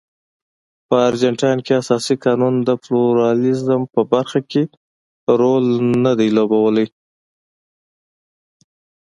په ارجنټاین کې اساسي قانون د پلورالېزم په برخه کې رول نه دی لوبولی.